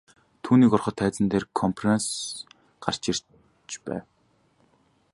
Түүнийг ороход тайзан дээр КОНФЕРАНСЬЕ гарч ирж байв.